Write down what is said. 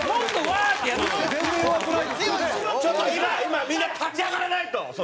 ちょっと今今みんな立ち上がらないと。